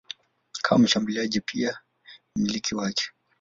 kama mshambuliaji akiwa pia mmiliki wake.